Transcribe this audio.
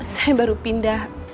saya baru pindah